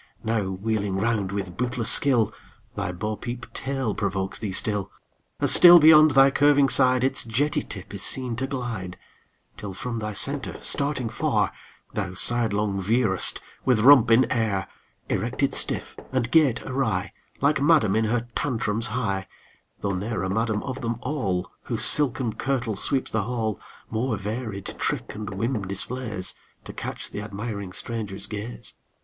Now, wheeling round with bootless skill, Thy bo peep tail provokes thee still, As still beyond thy curving side Its jetty tip is seen to glide; Till from thy centre starting far, Thou sidelong veer'st with rump in air Erected stiff, and gait awry, Like madam in her tantrums high; Though ne'er a madam of them all, Whose silken kirtle sweeps the hall, More varied trick and whim displays To catch the admiring stranger's gaze.